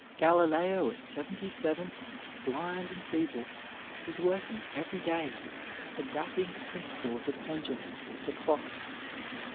Galileo at seventy seven, blind and feeble, was working every day, adapting the principle of the pendulum to clocks.